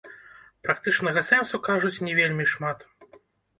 Практычнага сэнсу, кажуць, не вельмі шмат.